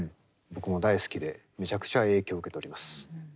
僕も大好きでめちゃくちゃ影響を受けております。